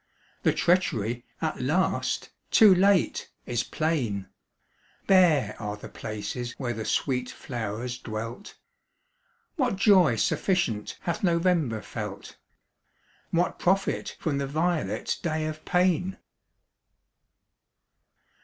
The treachery, at last, too late, is plain; Bare are the places where the sweet flowers dwelt. What joy sufficient hath November felt? What profit from the violet's day of pain?